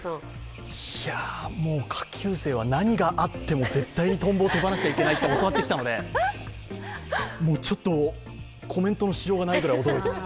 いや、下級生は何があっても、絶対トンボを手放しちゃいけないって、教わってきたのでコメントのしようがないくらい驚いています。